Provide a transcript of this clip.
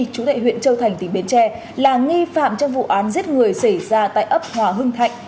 chú tệ huyện châu thành tỉnh bến tre là nghi phạm trong vụ án giết người xảy ra tại ấp hòa hưng thạnh